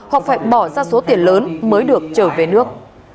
hoặc phải bỏ ra số tiền lớn mới được trở về nước